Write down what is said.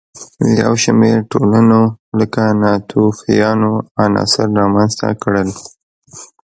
یو شمېر ټولنو لکه ناتوفیانو عناصر رامنځته کړل.